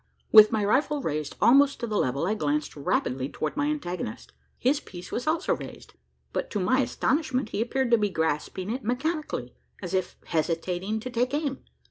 With my rifle raised almost to the level, I glanced rapidly towards my antagonist. His piece was also raised; but, to my astonishment, he appeared to be grasping it mechanically, as if hesitating to take aim!